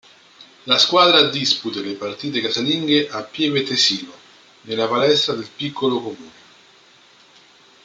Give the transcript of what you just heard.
La squadra dispute le partite casalinghe a Pieve Tesino nella palestra del piccolo comune.